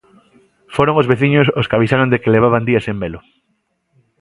Foron os veciños os que avisaron de que levaban días sen velo.